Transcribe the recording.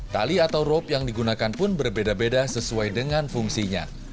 tali atau rope yang digunakan pun berbeda beda sesuai dengan fungsinya